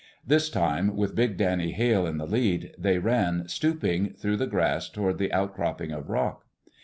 This time, with big Danny Hale in the lead, they ran, stooping, through the grass toward the outcropping of rock.